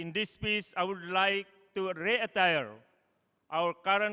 di kawasan ini saya ingin mengembalikan